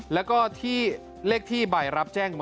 และเลขที่ไบล์รับแจ้ง